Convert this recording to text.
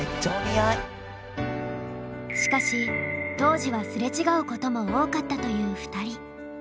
しかし当時はすれ違うことも多かったという２人。